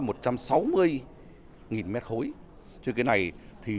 nó lên đến một trăm sáu mươi mét khối